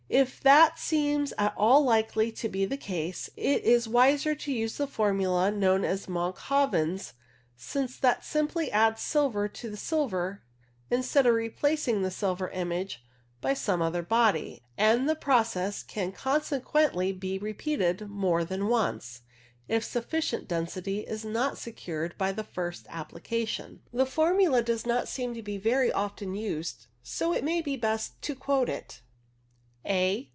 If thai seems at all likely to be the case, it is wiser to use the formula known as Monckhoven's, since that simply adds silver to silver instead of replacing the silver image by some other body, and the process can consequently be repeated more than once, if sufficient density is not secured by the first application. The formula does not seem to be very often used, so it may be best to quote it. 2 A 178 CLOUD PHOTOGRAPHY A.